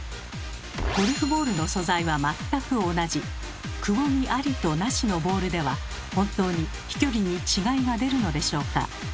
ゴルフボールの素材は全く同じくぼみありとなしのボールでは本当に飛距離に違いが出るのでしょうか。